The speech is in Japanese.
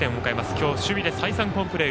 今日、守備で再三、好プレー。